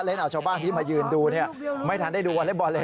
ชาวบ้านที่มายืนดูไม่ทันได้ดูวอเล็กบอลเลย